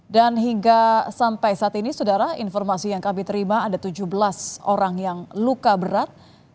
hingga sampai saat ini saudara informasi yang kami terima ada tujuh belas orang yang luka berat